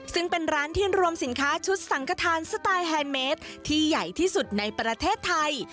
ซึ่งเป็นร้านที่รวมสินค้าชุดสังขทานสไตล์แฮนดเมสที่ใหญ่ที่สุดในประเทศไทย